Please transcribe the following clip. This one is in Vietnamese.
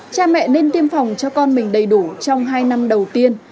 cha mẹ nên tiêm phòng cho con mình đầy đủ trong hai năm đầu tiên